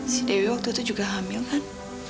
si dewi waktu itu juga hamil kan